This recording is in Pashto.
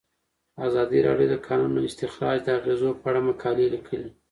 ازادي راډیو د د کانونو استخراج د اغیزو په اړه مقالو لیکلي.